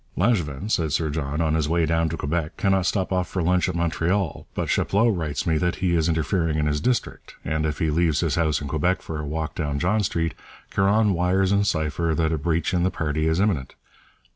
'Langevin,' said Sir John, 'on his way down to Quebec, cannot stop off for lunch at Montreal, but Chapleau writes me that he is interfering in his district, and if he leaves his house in Quebec for a walk down John Street, Caron wires in cypher that a breach in the party is imminent.'